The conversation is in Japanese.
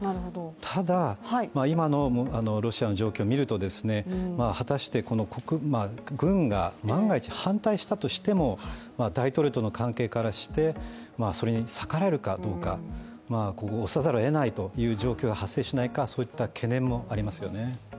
ただ、今のロシアの状況を見ると果たして軍が、万が一反対したとしても大統領との関係からして、それに逆らえるかどうか、押さざるをえないという状況が発生しないか、そういった懸念もありますよね。